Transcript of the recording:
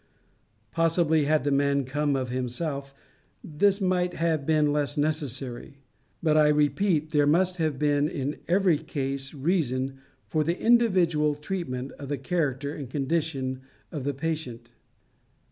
Possibly had the man come of himself, this might have been less necessary; but I repeat there must have been in every case reason for the individual treatment in the character and condition of the patient.